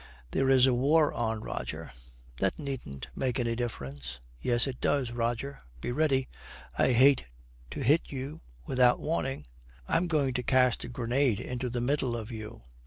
'There is a war on, Roger.' 'That needn't make any difference.' 'Yes, it does. Roger, be ready; I hate to hit you without warning. I'm going to cast a grenade into the middle of you.